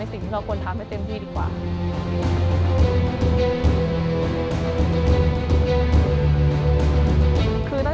พลอยเชื่อว่าเราก็จะสามารถชนะเพื่อนที่เป็นผู้เข้าประกวดได้เหมือนกัน